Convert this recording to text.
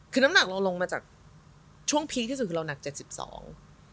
คือน้ำหนักเราลงมาจากช่วงพีคที่สุดคือเราหนักเจ็ดสิบสอง